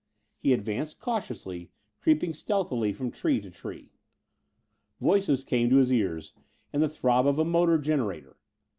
He advanced cautiously, creeping stealthily from tree to tree. Voices came to his ears, and the throb of a motor generator.